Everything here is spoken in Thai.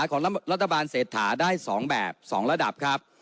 ของรัฐบาลเศรษฐาได้๒แบบ๒ระดับครับ